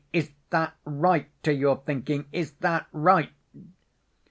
Is that right to your thinking, is that right?"